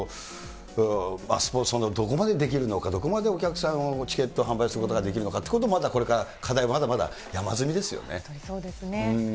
どこまでできるのか、どこまでお客さんをチケット販売することができるのかということも、まだこれから課題、まだまだ山積みですよね。